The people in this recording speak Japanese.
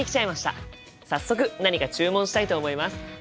早速何か注文したいと思います。